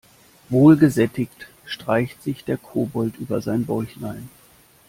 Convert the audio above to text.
Wohl gesättigt streicht sich der Kobold über sein Bäuchlein.